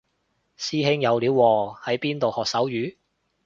師兄有料喎喺邊度學手語